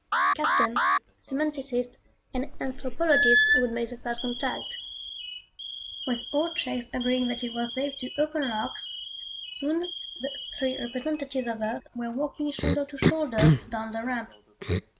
Captain, semanticist and anthropologist would make the First Contact. With all checks agreeing that it was safe to open locks, soon the three representatives of Earth were walking shoulder to shoulder down the ramp.